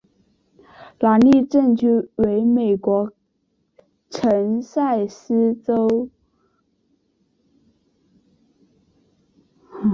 兰利镇区为美国堪萨斯州埃尔斯沃思县辖下的镇区。